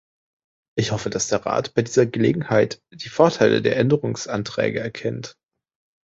Ich hoffe, dass der Rat bei dieser Gelegenheit die Vorteile der Änderungsanträge erkennt.